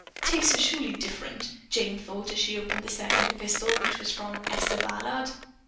"Tastes are surely different!" Jane thought as she opened the second epistle, which was from Esther Ballard.